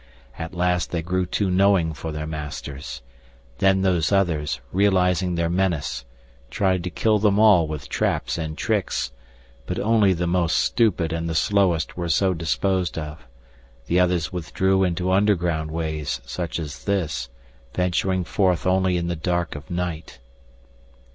At last they grew too knowing for their masters. Then Those Others, realizing their menace, tried to kill them all with traps and tricks. But only the most stupid and the slowest were so disposed of. The others withdrew into underground ways such as this, venturing forth only in the dark of night."